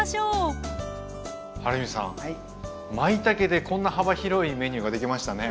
まいたけでこんな幅広いメニューができましたね。